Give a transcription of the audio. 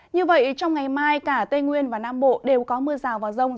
như vậy trong ngày mai cả tây nguyên và nam bộ đều có mưa rào và rông